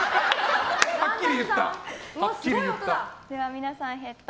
はっきり言った。